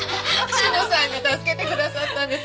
志乃さんが助けてくださったんです。